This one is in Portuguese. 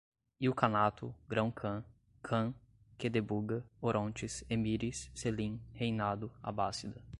ilcanato, grão-cã, khan, Quedebuga, Orontes, emires, Selim, reinado, abássida